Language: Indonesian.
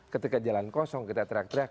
ketika jalan kosong kita teriak teriak